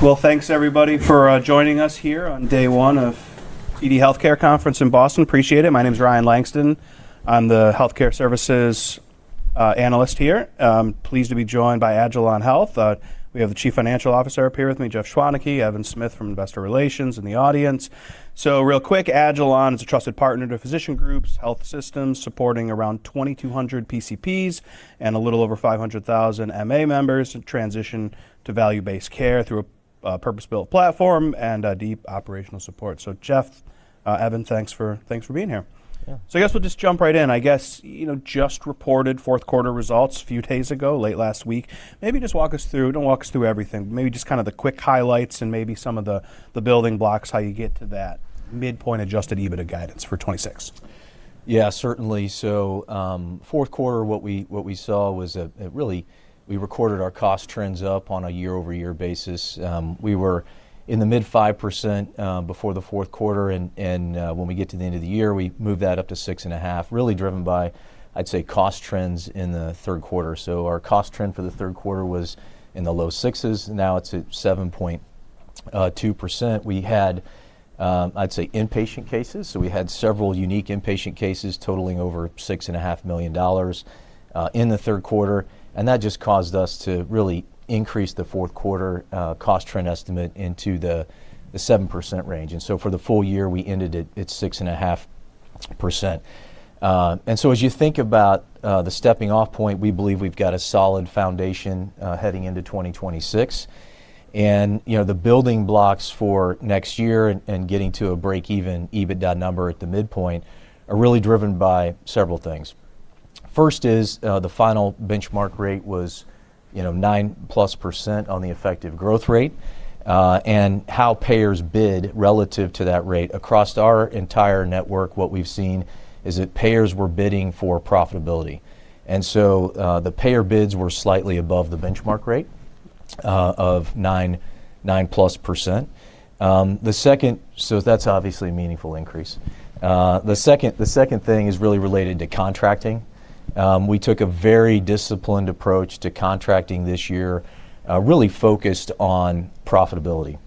Well, thanks everybody for joining us here on day one of TD Healthcare Conference in Boston. Appreciate it. My name is Charles Rhyee. I'm the healthcare services analyst here. I'm pleased to be joined by agilon health. We have the Chief Financial Officer up here with me, Jeff Schwaneke, Matthew Smith from Investor Relations in the audience. Real quick, agilon health is a trusted partner to physician groups, health systems, supporting around 2,200 PCPs and a little over 500,000 MA members to transition to value-based care through a purpose-built platform and deep operational support. Jeff, Matthew, thanks for thanks for being here. Yeah. I guess we'll just jump right in. I guess, you know, just reported fourth quarter results few days ago, late last week. Maybe just walk us through, don't walk us through everything. Maybe just kind of the quick highlights and maybe some of the building blocks, how you get to that midpoint adjusted EBITDA guidance for 2026. Yeah, certainly. Fourth quarter, we recorded our cost trends up on a year-over-year basis. We were in the mid-5% before the fourth quarter, when we get to the end of the year, we moved that up to 6.5%, really driven by, I'd say, cost trends in the third quarter. Our cost trend for the third quarter was in the low 6s, now it's at 7.2%. We had, I'd say inpatient cases, so we had several unique inpatient cases totaling over $6.5 million in the third quarter. That just caused us to really increase the fourth quarter cost trend estimate into the 7% range. For the full year, we ended it at 6.5%. As you think about the stepping off point, we believe we've got a solid foundation heading into 2026. You know, the building blocks for next year and getting to a break-even EBITDA number at the midpoint are really driven by several things. First is, the final benchmark rate was, you know, 9-plus% on the effective growth rate, and how payers bid relative to that rate. Across our entire network, what we've seen is that payers were bidding for profitability. The payer bids were slightly above the benchmark rate of 9-plus%. That's obviously a meaningful increase. The second thing is really related to contracting. We took a very disciplined approach to contracting this year, really focused on profitability.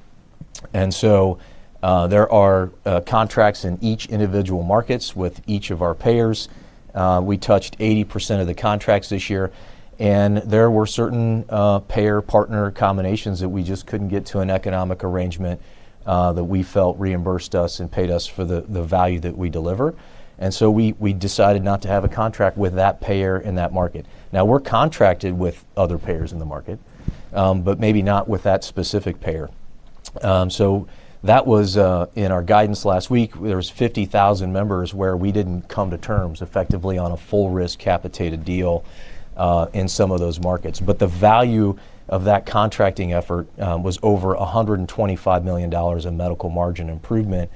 There are contracts in each individual markets with each of our payers. We touched 80% of the contracts this year, and there were certain payer partner combinations that we just couldn't get to an economic arrangement that we felt reimbursed us and paid us for the value that we deliver. We decided not to have a contract with that payer in that market. Now, we're contracted with other payers in the market, but maybe not with that specific payer. So that was in our guidance last week, there was 50,000 members where we didn't come to terms effectively on a full-risk capitated deal in some of those markets. The value of that contracting effort was over $125 million in medical margin improvement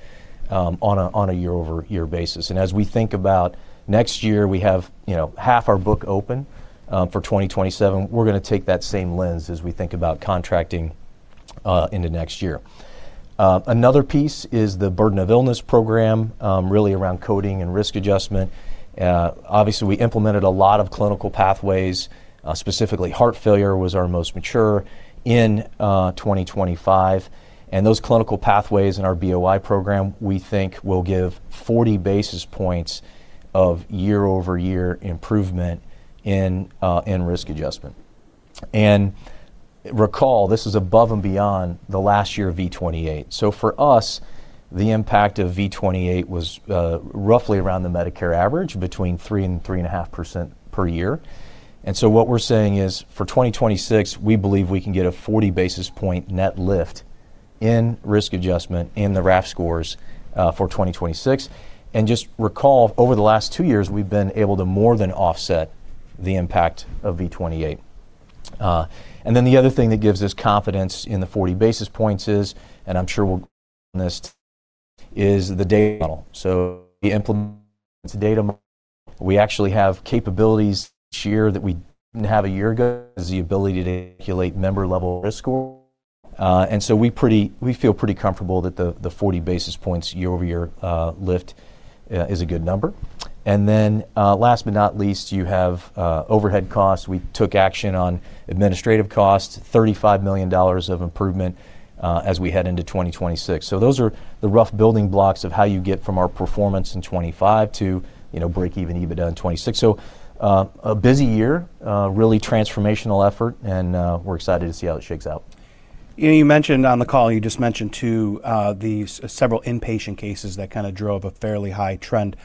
on a year-over-year basis. As we think about next year, we have, you know, half our book open for 2027. We're gonna take that same lens as we think about contracting into next year. Another piece is the burden of illness program really around coding and risk adjustment. Obviously, we implemented a lot of clinical pathways, specifically heart failure was our most mature in 2025. Those clinical pathways in our BOI program, we think will give 40 basis points of year-over-year improvement in risk adjustment. Recall, this is above and beyond the last year of V28. For us, the impact of V28 was roughly around the Medicare average, between 3% and 3.5% per year. What we're saying is, for 2026, we believe we can get a 40 basis point net lift in risk adjustment in the RAF scores for 2026. The other thing that gives us confidence in the 40 basis points is the data model. We implement the data model. We actually have capabilities this year that we didn't have a year ago, is the ability to calculate member-level risk score. We pretty, we feel pretty comfortable that the 40 basis points year-over-year, lift, is a good number. Last but not least, you have overhead costs. We took action on administrative costs, $35 million of improvement, as we head into 2026. Those are the rough building blocks of how you get from our performance in 25 to, you know, break-even EBITDA in 26. A busy year, really transformational effort, and, we're excited to see how it shakes out. You know, you mentioned on the call, you just mentioned too, these several inpatient cases that kinda drove a fairly high trend.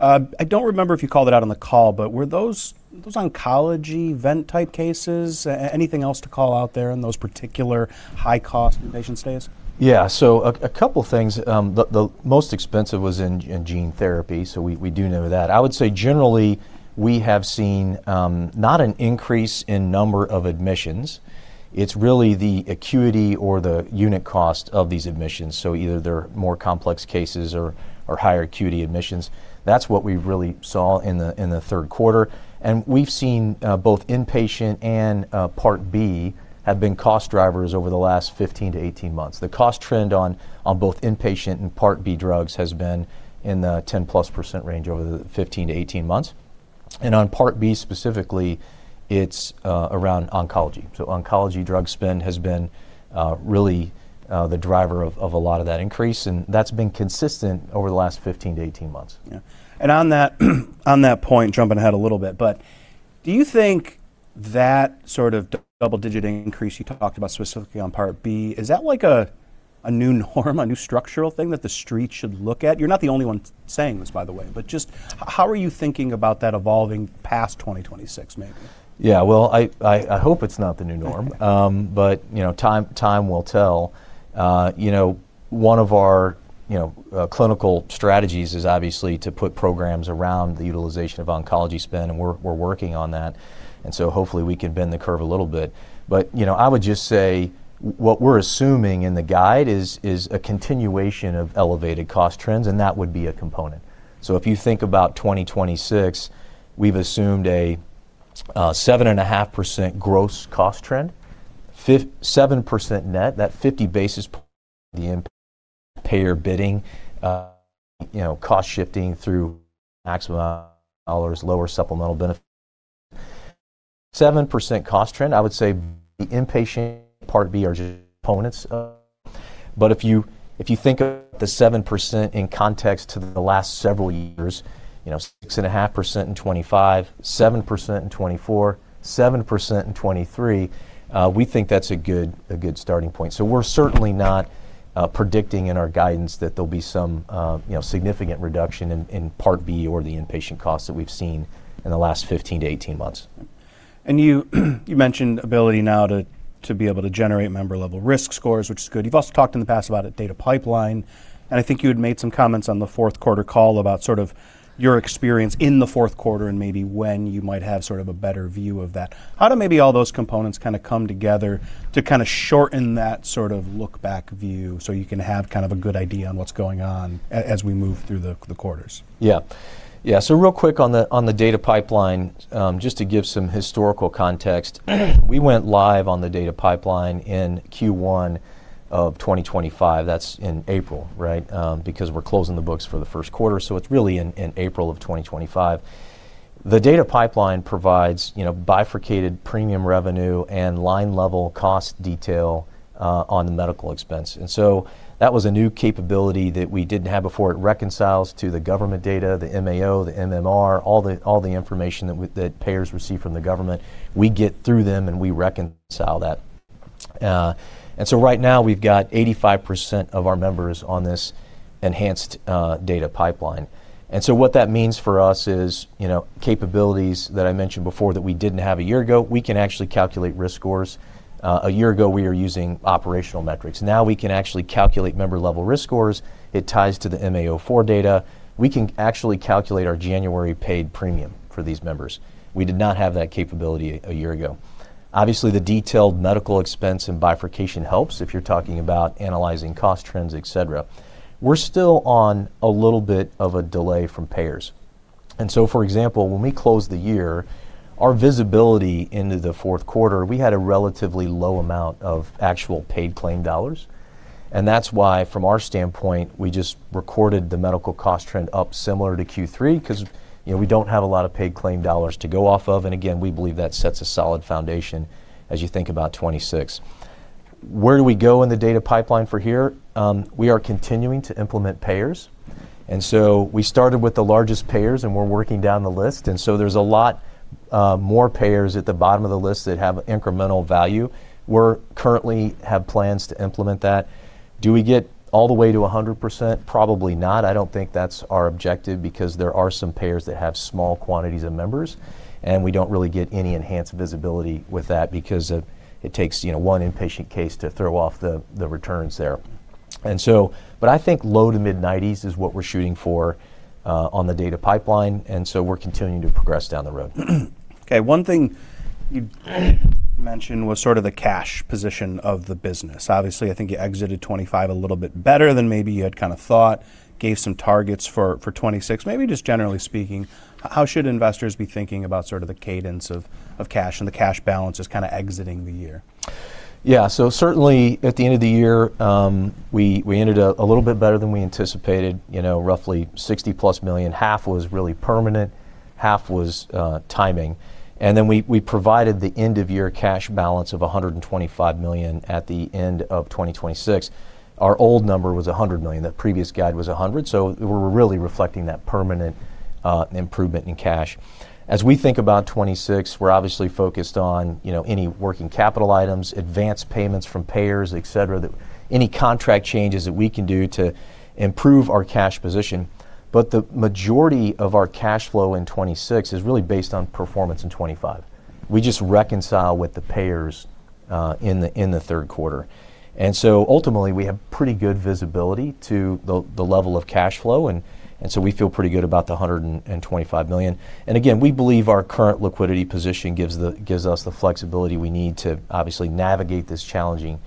I don't remember if you called it out on the call, but were those oncology event type cases? Anything else to call out there in those particular high-cost inpatient stays? Yeah. A couple things. The most expensive was in gene therapy, we do know that. I would say generally, we have seen not an increase in number of admissions. It's really the acuity or the unit cost of these admissions. Either they're more complex cases or higher acuity admissions. That's what we really saw in the third quarter. We've seen both inpatient and Part B have been cost drivers over the last 15 to 18 months. The cost trend on both inpatient and Part B drugs has been in the 10+% range over the 15 to 18 months. On Part B specifically, it'saround oncology. Oncology drug spend has been really the driver of a lot of that increase, and that's been consistent over the last 15-18 months. Yeah. On that point, jumping ahead a little bit, but do you think that sort of double-digit increase you talked about specifically on Part B, is that like a new norm, a new structural thing that The Street should look at? You're not the only one saying this, by the way. Just how are you thinking about that evolving past 2026 maybe? Yeah, well, I hope it's not the new norm. But, you know, time will tell. You know, one of our, you know, clinical strategies is obviously to put programs around the utilization of oncology spend, and we're working on that. Hopefully we can bend the curve a little bit. You know, I would just say what we're assuming in the guide is a continuation of elevated cost trends, and that would be a component. If you think about 2026, we've assumed a 7.5% gross cost trend, 7% net. That 50 basis, the payer bidding, you know, cost shifting through maximum dollars, lower supplemental bene- 7% cost trend, I would say the inpatient Part B are just opponents of... If you, if you think of the 7% in context to the last several years, you know, six and a half percent in 2025, 7% in 2024, 7% in 2023, we think that's a good starting point. We're certainly not predicting in our guidance that there'll be some, you know, significant reduction in Part B or the inpatient costs that we've seen in the last 15 to 18 months. You mentioned ability now to be able to generate member-level risk scores, which is good. You've also talked in the past about a data pipeline, and I think you had made some comments on the fourth quarter call about sort of your experience in the fourth quarter and maybe when you might have sort of a better view of that. How do maybe all those components kinda come together to kinda shorten that sort of look-back view, so you can have kind of a good idea on what's going on as we move through the quarters? Yeah. Yeah. Real quick on the, on the data pipeline, just to give some historical context, we went live on the data pipeline in Q1 of 2025. That's in April, right? Because we're closing the books for the first quarter, so it's really in April of 2025. The data pipeline provides, you know, bifurcated premium revenue and line-level cost detail, on the medical expense. That was a new capability that we didn't have before. It reconciles to the government data, the MAO, the MMR, all the, all the information that payers receive from the government. We get through them, and we reconcile that. Right now, we've got 85% of our members on this enhanced, data pipeline. What that means for us is, you know, capabilities that I mentioned before that we didn't have a year ago, we can actually calculate risk scores. A year ago, we were using operational metrics. Now we can actually calculate member-level risk scores. It ties to the MAO-004 data. We can actually calculate our January paid premium for these members. We did not have that capability a year ago. Obviously, the detailed medical expense and bifurcation helps if you're talking about analyzing cost trends, et cetera. We're still on a little bit of a delay from payers. For example, when we closed the year, our visibility into the fourth quarter, we had a relatively low amount of actual paid claim dollars, and that's why, from our standpoint, we just recorded the medical cost trend up similar to Q3 'cause, you know, we don't have a lot of paid claim dollars to go off of. Again, we believe that sets a solid foundation as you think about 2026. Where do we go in the data pipeline for here? We are continuing to implement payers. We started with the largest payers, and we're working down the list. There's a lot more payers at the bottom of the list that have incremental value. We're currently have plans to implement that. Do we get all the way to 100%? Probably not. I don't think that's our objective because there are some payers that have small quantities of members, and we don't really get any enhanced visibility with that because of it takes, you know, 1 inpatient case to throw off the returns there. But I think low to mid-nineties is what we're shooting for on the data pipeline, we're continuing to progress down the road. Okay, one thing you mentioned was sort of the cash position of the business. Obviously, I think you exited 2025 a little bit better than maybe you had kinda thought, gave some targets for 2026. Maybe just generally speaking, how should investors be thinking about sort of the cadence of cash and the cash balances kinda exiting the year? Certainly, at the end of the year, we ended up a little bit better than we anticipated, you know, roughly $60+ million. Half was really permanent, half was timing. We provided the end-of-year cash balance of $125 million at the end of 2026. Our old number was $100 million. That previous guide was $100, we're really reflecting that permanent improvement in cash. As we think about 2026, we're obviously focused on, you know, any working capital items, advanced payments from payers, et cetera, that any contract changes that we can do to improve our cash position. The majority of our cash flow in 2026 is really based on performance in 2025. We just reconcile with the payers in the third quarter. Ultimately, we have pretty good visibility to the level of cash flow, so we feel pretty good about the $125 million. Again, we believe our current liquidity position gives us the flexibility we need to obviously navigate this challenging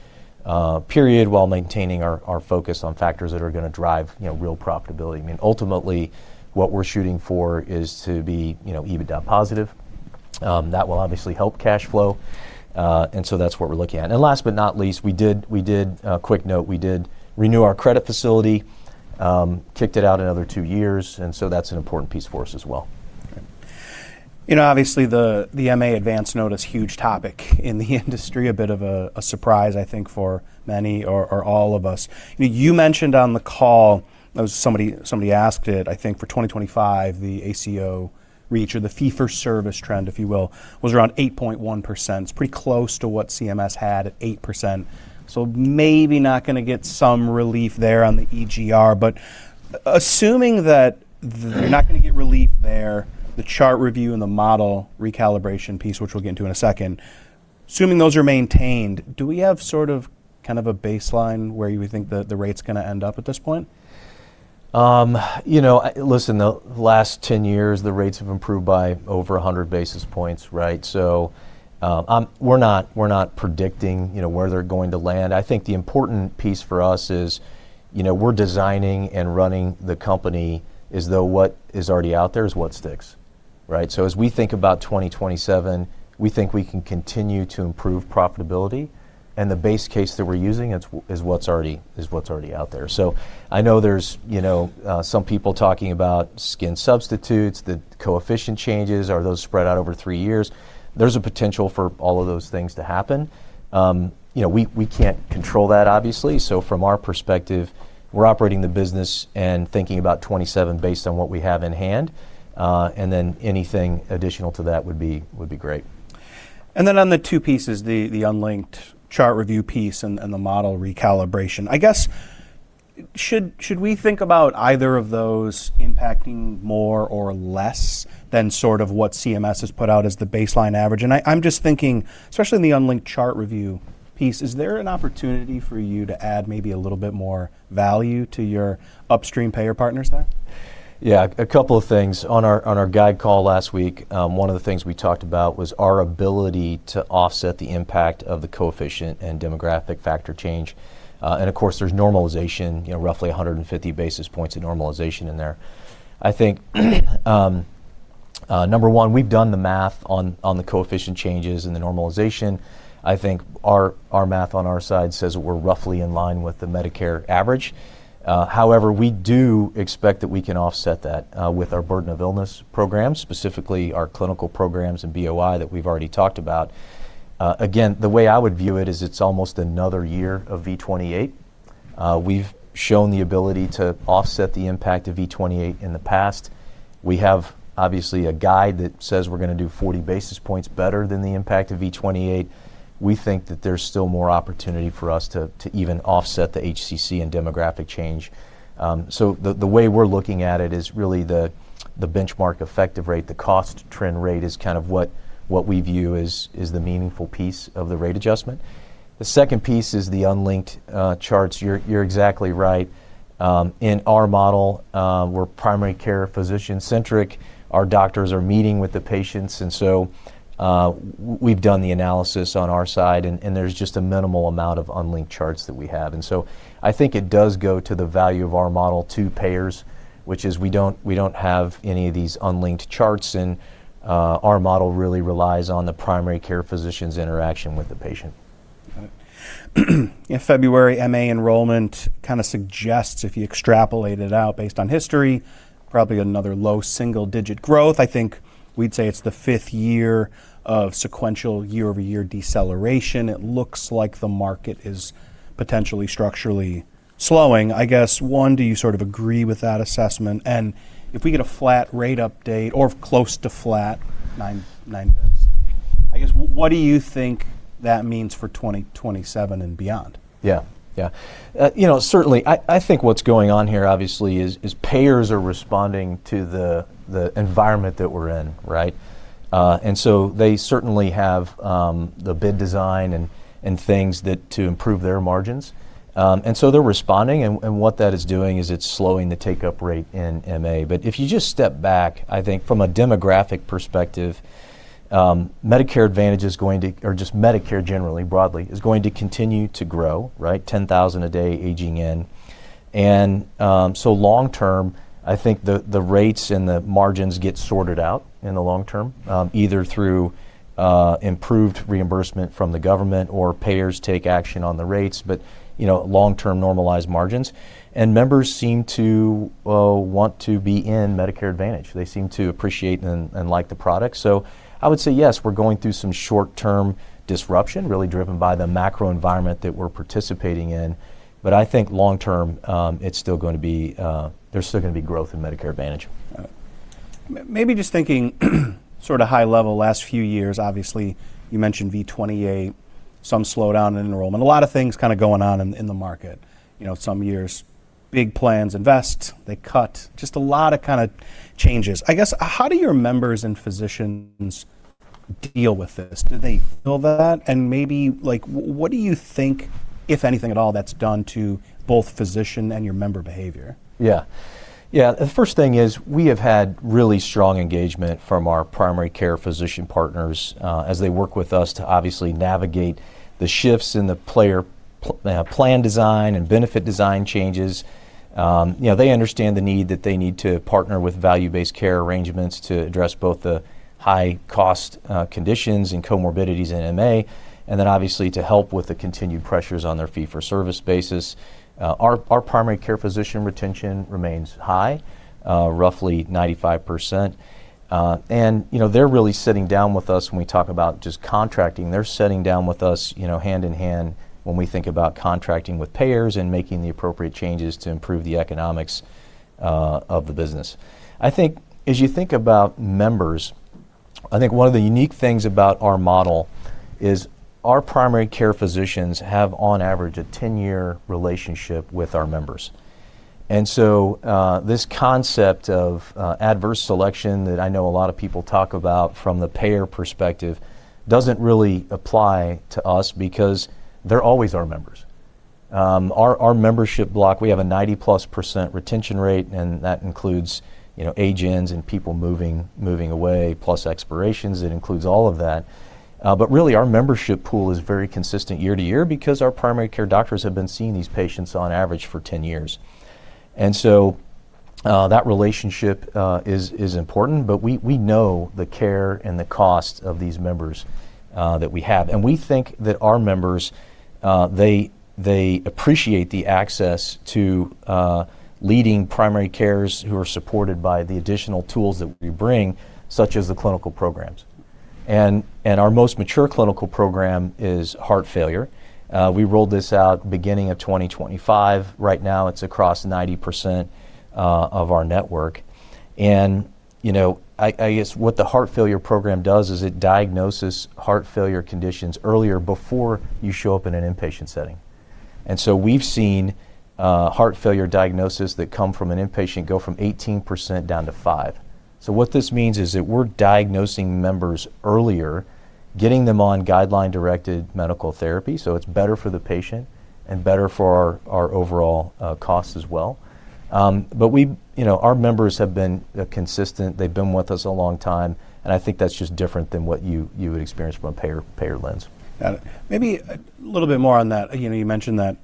period while maintaining our focus on factors that are gonna drive, you know, real profitability. I mean, ultimately, what we're shooting for is to be, you know, EBITDA positive. That will obviously help cash flow. So that's what we're looking at. Last but not least, a quick note, we did renew our credit facility, kicked it out another 2 years, so that's an important piece for us as well. You know, obviously, the MA advance note is huge topic in the industry, a bit of a surprise, I think, for many or all of us. You mentioned on the call, somebody asked it, I think for 2025, the ACO REACH or the fee for service trend, if you will, was around 8.1%. It's pretty close to what CMS had at 8%. Maybe not gonna get some relief there on the EGR. Assuming that they're not gonna get relief there, the chart review and the model recalibration piece, which we'll get into in a second, assuming those are maintained, do we have sort of kind of a baseline where you would think the rate's gonna end up at this point? You know, listen, the last 10 years, the rates have improved by over 100 basis points, right? We're not, we're not predicting, you know, where they're going to land. I think the important piece for us is, you know, we're designing and running the company as though what is already out there is what sticks, right? As we think about 2027, we think we can continue to improve profitability. The base case that we're using is what's already out there. I know there's, you know, some people talking about skin substitutes, the coefficient changes. Are those spread out over 3 years? There's a potential for all of those things to happen. You know, we can't control that, obviously. From our perspective, we're operating the business and thinking about 2027 based on what we have in hand. Then anything additional to that would be great. On the two pieces, the unlinked chart review piece and the model recalibration, I guess, should we think about either of those impacting more or less than sort of what CMS has put out as the baseline average? I'm just thinking, especially in the unlinked chart review piece, is there an opportunity for you to add maybe a little bit more value to your upstream payer partners there? Yeah. A couple of things. On our guide call last week, one of the things we talked about was our ability to offset the impact of the coefficient and demographic factor change. Of course, there's normalization, you know, roughly 150 basis points of normalization in there. I think, number one, we've done the math on the coefficient changes and the normalization. I think our math on our side says we're roughly in line with the Medicare average. However, we do expect that we can offset that with our burden of illness programs, specifically our clinical programs and BOI that we've already talked about. Again, the way I would view it is it's almost another year of V-28. We've shown the ability to offset the impact of V-28 in the past. We have, obviously, a guide that says we're gonna do 40 basis points better than the impact of V28. We think that there's still more opportunity for us to even offset the HCC and demographic change. The way we're looking at it is really the benchmark effective rate, the cost trend rate is kind of what we view as the meaningful piece of the rate adjustment. The second piece is the unlinked charts. You're exactly right. In our model, we're primary care physician-centric. Our doctors are meeting with the patients, and so, we've done the analysis on our side and there's just a minimal amount of unlinked charts that we have. I think it does go to the value of our model to payers, which is we don't have any of these unlinked charts, and our model really relies on the primary care physician's interaction with the patient. Got it. In February, MA enrollment kinda suggests, if you extrapolate it out based on history, probably another low single-digit growth. I think we'd say it's the fifth year of sequential year-over-year deceleration. It looks like the market is potentially structurally slowing. I guess, one, do you sort of agree with that assessment? If we get a flat rate update or close to flat, 9 basis, I guess, what do you think that means for 2027 and beyond? Yeah. Yeah. you know, certainly, I think what's going on here obviously is payers are responding to the environment that we're in, right? They certainly have the bid design and things that to improve their margins. They're responding and what that is doing is it's slowing the take-up rate in MA. If you just step back, I think from a demographic perspective, Medicare Advantage is going to, or just Medicare generally, broadly, is going to continue to grow, right, 10,000 a day aging in. Long term, I think the rates and the margins get sorted out in the long term, either through improved reimbursement from the government or payers take action on the rates, but, you know, long-term normalized margins. Members seem to want to be in Medicare Advantage. They seem to appreciate and like the product. I would say, yes, we're going through some short-term disruption, really driven by the macro environment that we're participating in. I think long term, it's still gonna be, there's still gonna be growth in Medicare Advantage. All right. Maybe just thinking sort of high level last few years, obviously, you mentioned V28, some slowdown in enrollment, a lot of things kinda going on in the market. You know, some years, big plans invest, they cut, just a lot of kinda changes. I guess, how do your members and physicians deal with this? Do they know that? Maybe, like, what do you think, if anything at all, that's done to both physician and your member behavior? Yeah. Yeah. The first thing is we have had really strong engagement from our primary care physician partners, as they work with us to obviously navigate the shifts in the player plan design and benefit design changes. You know, they understand the need that they need to partner with value-based care arrangements to address both the high cost, conditions and comorbidities in MA, and then obviously to help with the continued pressures on their fee-for-service basis. Our primary care physician retention remains high, roughly 95%. You know, they're really sitting down with us when we talk about just contracting. They're sitting down with us, you know, hand in hand when we think about contracting with payers and making the appropriate changes to improve the economics of the business. I think as you think about members, I think one of the unique things about our model is our primary care physicians have, on average, a 10-year relationship with our members. This concept of adverse selection that I know a lot of people talk about from the payer perspective doesn't really apply to us because they're always our members. Our membership block, we have a 90%+ retention rate, and that includes, you know, agents and people moving away, plus expirations. It includes all of that. Really, our membership pool is very consistent year to year because our primary care doctors have been seeing these patients on average for 10 years. That relationship is important, but we know the care and the cost of these members that we have. We think that our members, they appreciate the access to leading primary carers who are supported by the additional tools that we bring, such as the clinical programs. Our most mature clinical program is heart failure. We rolled this out beginning of 2025. Right now it's across 90% of our network. You know, I guess what the heart failure program does is it diagnoses heart failure conditions earlier before you show up in an inpatient setting. We've seen heart failure diagnoses that come from an inpatient go from 18% down to 5%. What this means is that we're diagnosing members earlier, getting them on guideline-directed medical therapy, so it's better for the patient and better for our overall cost as well. You know, our members have been consistent. They've been with us a long time. I think that's just different than what you would experience from a payer lens. Got it. Maybe a little bit more on that. You know, you mentioned that,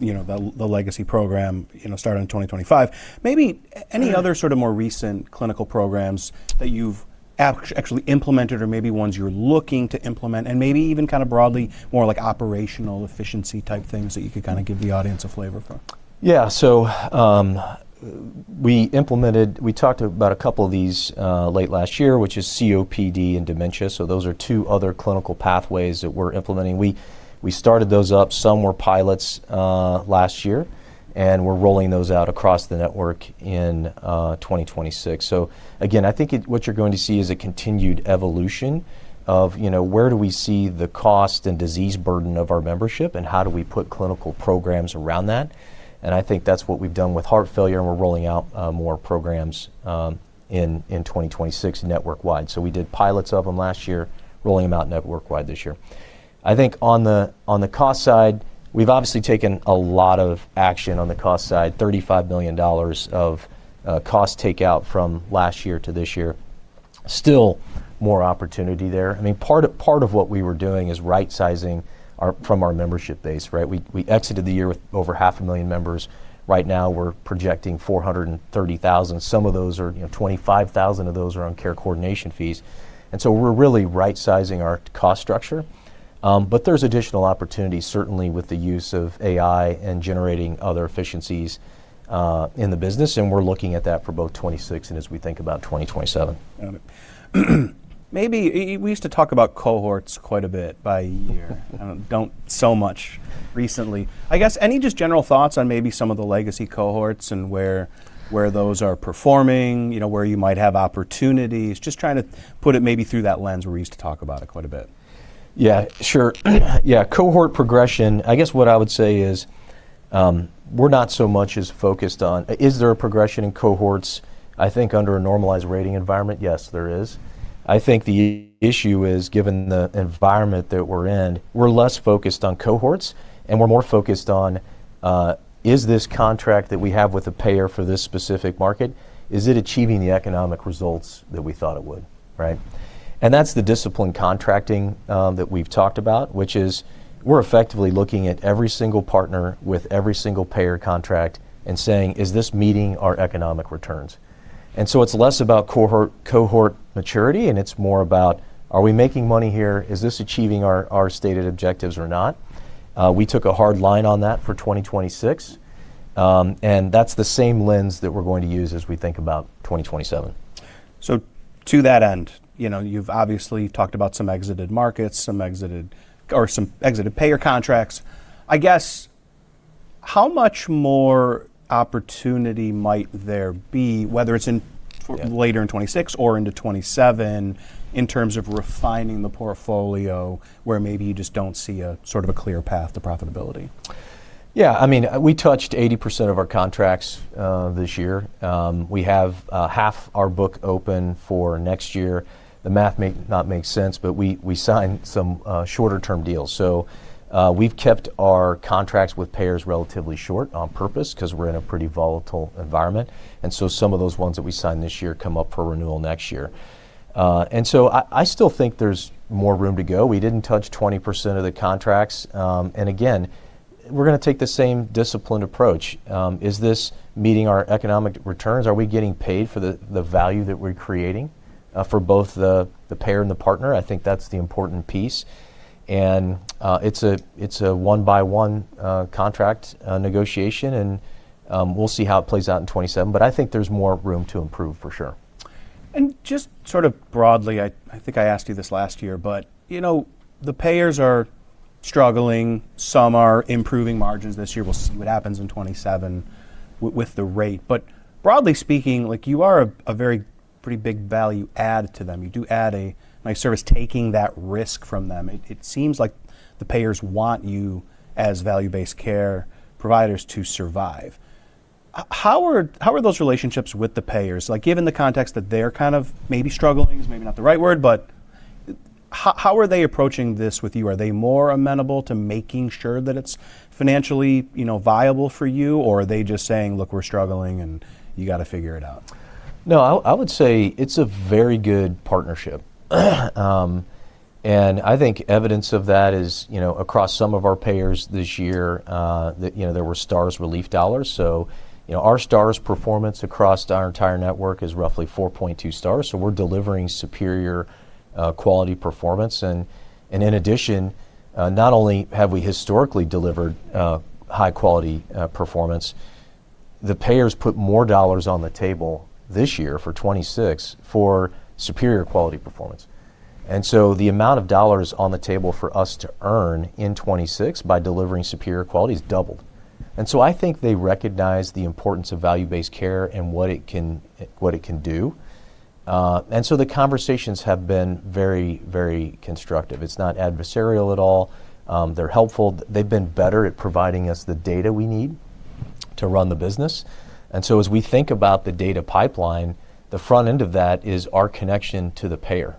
you know, the legacy program, you know, started in 2025. Maybe any other sort of more recent clinical programs that you've actually implemented or maybe ones you're looking to implement and maybe even kinda broadly more like operational efficiency type things that you could kinda give the audience a flavor for. We talked about a couple of these late last year, which is COPD and dementia. Those are two other clinical pathways that we're implementing. We started those up. Some were pilots last year, and we're rolling those out across the network in 2026. Again, I think what you're going to see is a continued evolution of, you know, where do we see the cost and disease burden of our membership, and how do we put clinical programs around that. I think that's what we've done with heart failure, and we're rolling out more programs in 2026 network-wide. We did pilots of them last year, rolling them out network-wide this year. I think on the cost side, we've obviously taken a lot of action on the cost side. $35 million of cost takeout from last year to this year. Still more opportunity there. I mean, part of what we were doing is right-sizing from our membership base, right? We exited the year with over half a million members. Right now we're projecting 430,000. Some of those are, you know, 25,000 of those are on care coordination fees. We're really right-sizing our cost structure. There's additional opportunities certainly with the use of AI and generating other efficiencies in the business, and we're looking at that for both 2026 and as we think about 2027. Got it. Maybe we used to talk about cohorts quite a bit by year. Don't so much recently. I guess any just general thoughts on maybe some of the legacy cohorts and where those are performing, you know, where you might have opportunities. Just trying to put it maybe through that lens where we used to talk about it quite a bit. Yeah, sure. Yeah, cohort progression, I guess what I would say is, we're not so much as focused on is there a progression in cohorts, I think under a normalized rating environment? Yes, there is. I think the issue is given the environment that we're in, we're less focused on cohorts, and we're more focused on, is this contract that we have with the payer for this specific market, is it achieving the economic results that we thought it would, right? That's the discipline contracting that we've talked about, which is we're effectively looking at every single partner with every single payer contract and saying, "Is this meeting our economic returns?" It's less about cohort maturity, and it's more about are we making money here? Is this achieving our stated objectives or not? We took a hard line on that for 2026. That's the same lens that we're going to use as we think about 2027. To that end, you know, you've obviously talked about some exited markets, some exited payer contracts. I guess how much more opportunity might there be, whether it's in later in 2026 or into 2027, in terms of refining the portfolio where maybe you just don't see a sort of a clear path to profitability? Yeah. I mean, we touched 80% of our contracts this year. We have half our book open for next year. The math may not make sense, but we signed some shorter-term deals. We've kept our contracts with payers relatively short on purpose 'cause we're in a pretty volatile environment. Some of those ones that we signed this year come up for renewal next year. I still think there's more room to go. We didn't touch 20% of the contracts. Again, we're gonna take the same disciplined approach. Is this meeting our economic returns? Are we getting paid for the value that we're creating for both the payer and the partner? I think that's the important piece, and, it's a one-by-one, contract, negotiation, and, we'll see how it plays out in 2027. I think there's more room to improve, for sure. Just sort of broadly, I think I asked you this last year, but, you know, the payers are struggling. Some are improving margins this year. We'll see what happens in 2027 with the rate. Broadly speaking, like, you are a very pretty big value add to them. You do add a nice service taking that risk from them. It seems like the payers want you as value-based care providers to survive. How are those relationships with the payers? Like, given the context that they're kind of maybe struggling is maybe not the right word, but how are they approaching this with you? Are they more amenable to making sure that it's financially, you know, viable for you? Or are they just saying, "Look, we're struggling, and you gotta figure it out"? No, I would say it's a very good partnership. I think evidence of that is, you know, across some of our payers this year, that, you know, there were Stars relief dollars. So, you know, our Stars performance across our entire network is roughly 4.2 Stars, so we're delivering superior quality performance. In addition, not only have we historically delivered high quality performance, the payers put more dollars on the table this year for 2026 for superior quality performance. So the amount of dollars on the table for us to earn in 2026 by delivering superior quality has doubled. So I think they recognize the importance of value-based care and what it can do. So the conversations have been very, very constructive. It's not adversarial at all. They're helpful. They've been better at providing us the data we need to run the business. As we think about the data pipeline, the front end of that is our connection to the payer.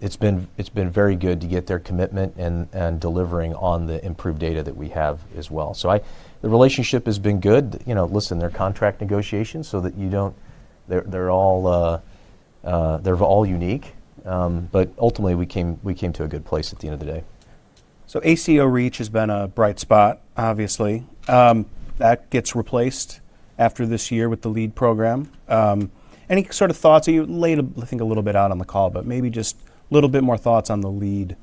It's been very good to get their commitment and delivering on the improved data that we have as well. The relationship has been good. You know, listen, they're contract negotiations, so that you don't... They're all unique. Ultimately, we came to a good place at the end of the day. ACO REACH has been a bright spot, obviously. That gets replaced after this year with the LEAD program. Any sort of thoughts? You laid a, I think, a little bit out on the call, but maybe just a little bit more thoughts on the LEAD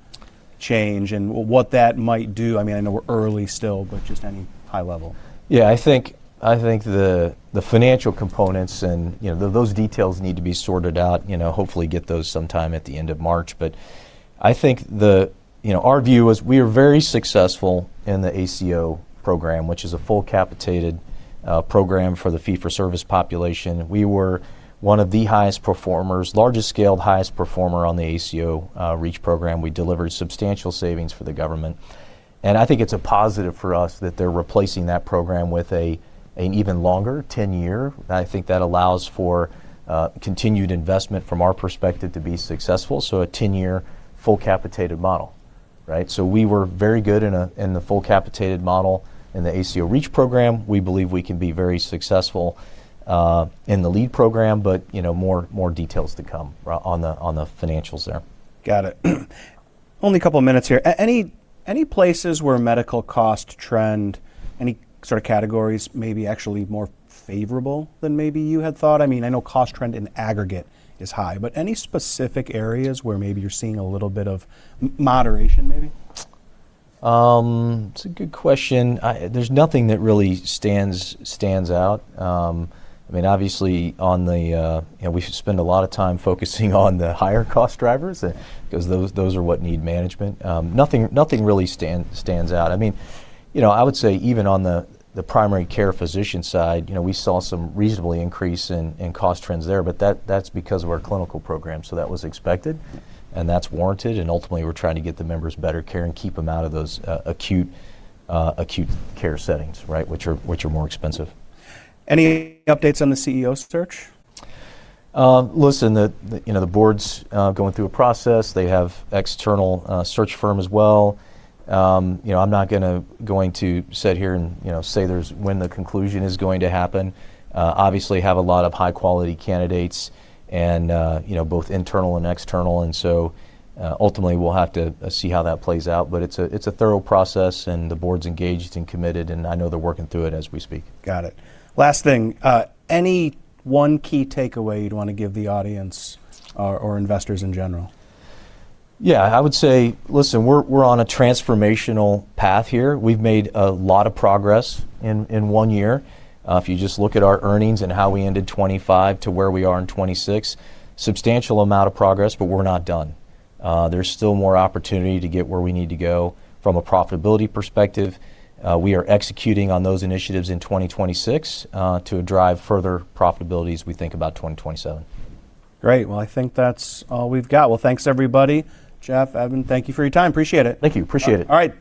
change and what that might do. I mean, I know we're early still, but just any high level. Yeah, I think the financial components and, you know, those details need to be sorted out, you know, hopefully get those sometime at the end of March. I think the. You know, our view is we are very successful in the ACO program, which is a full capitated program for the fee for service population. We were one of the highest performers, largest scale, highest performer on the ACO REACH program. We delivered substantial savings for the government, and I think it's a positive for us that they're replacing that program with an even longer 10-year. I think that allows for continued investment from our perspective to be successful, so a 10-year full capitated model, right? We were very good in the full capitated model in the ACO REACH program. We believe we can be very successful, in the LEAD program, but, you know, more details to come on the financials there. Got it. Only a couple of minutes here. Any places where medical cost trend, any sort of categories maybe actually more favorable than maybe you had thought? I mean, I know cost trend in aggregate is high, any specific areas where maybe you're seeing a little bit of moderation maybe? That's a good question. There's nothing that really stands out. I mean obviously on the. You know, we should spend a lot of time focusing on the higher cost drivers, 'cause those are what need management. Nothing really stands out. I mean, you know, I would say even on the primary care physician side, you know, we saw some reasonable increase in cost trends there, but that's because of our clinical program, so that was expected, and that's warranted, and ultimately, we're trying to get the members better care and keep them out of those acute care settings, right, which are more expensive. Any updates on the CEO search? Listen, the, you know, the board's going through a process. They have external search firm as well. You know, I'm not going to sit here and, you know, say there's, when the conclusion is going to happen. Obviously have a lot of high quality candidates and, you know, both internal and external. Ultimately, we'll have to see how that plays out. It's a, it's a thorough process, and the board's engaged and committed, and I know they're working through it as we speak. Got it. Last thing. Any one key takeaway you'd wanna give the audience or investors in general? I would say, listen, we're on a transformational path here. We've made a lot of progress in 1 year. If you just look at our earnings and how we ended 2025 to where we are in 2026, substantial amount of progress, but we're not done. There's still more opportunity to get where we need to go from a profitability perspective. We are executing on those initiatives in 2026, to drive further profitability as we think about 2027. Great. Well, I think that's all we've got. Well, thanks everybody. Jeff, Matthew, thank you for your time. Appreciate it. Thank you. Appreciate it. All right.